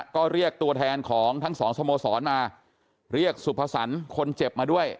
ก็เรียกตัวแทนของทั้งสองสโมสรมาเรียกสุภสรรค์คนเจ็บมาด้วย